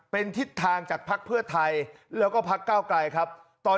เป็นทิศทางจากภักดิ์เพื่อไทยแล้วก็พักเก้าไกลครับตอน